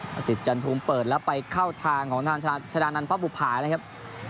ประสิทธิ์จันทร์มุมเปิดแล้วไปเข้าทางของชะดานันพระบุผ่านะครับ